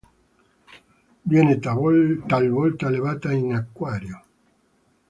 Viene talvolta allevata in acquario.